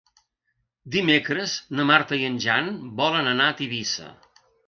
Dimecres na Marta i en Jan volen anar a Tivissa.